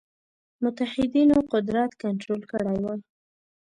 متحدینو قدرت کنټرول کړی وای.